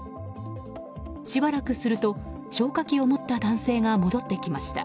しばらくすると消火器を持った男性が戻ってきました。